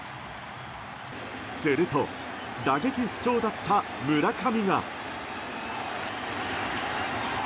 すると、打撃不調だった村上が。